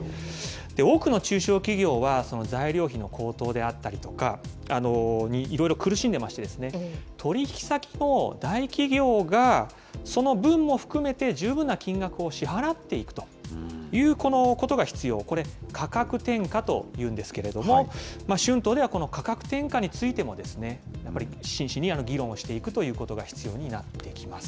多くの中小企業は、材料費の高騰であったりとか、いろいろ苦しんでまして、取り引き先の大企業が、その分も含めて、十分な金額を支払っていくということが必要、これ価格転嫁というんですけれども、春闘では、この価格転嫁についてもやっぱり、真摯に議論していくということが必要になってきます。